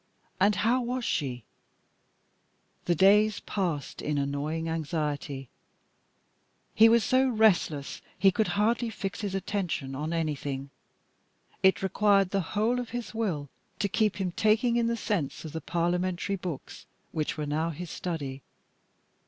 and how was she? The days passed in a gnawing anxiety. He was so restless he could hardly fix his attention on anything. It required the whole of his will to keep him taking in the sense of the Parliamentary books which were now his study.